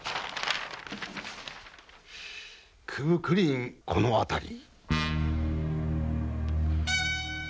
九分九厘この辺り。